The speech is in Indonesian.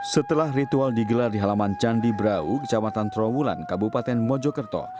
setelah ritual digelar di halaman candi brau kecamatan trawulan kabupaten mojokerto